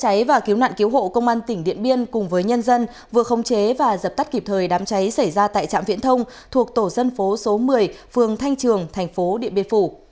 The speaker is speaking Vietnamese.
phòng trái trịa trái và cứu nạn cứu hộ công an tỉnh điện biên cùng với nhân dân vừa không chế và dập tắt kịp thời đám trái xảy ra tại trạm viễn thông thuộc tổ dân phố số một mươi phường thanh trường thành phố điện biên phủ